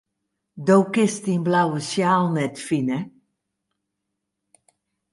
Do kinst dyn blauwe sjaal net fine.